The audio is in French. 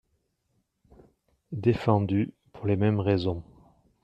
Défendu, pour les mêmes raisons.